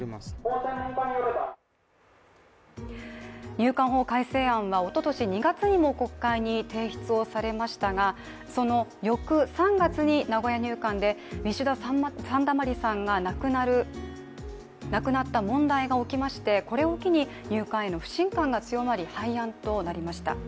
入管法改正案はおととし２月にも国会に提出されましたが、その翌３月に名古屋入管でウィシュマ・サンダマリさんが亡くなった問題が起きまして、これを機に入管への不信感が強まり、廃案となりました。